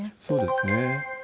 そうですね。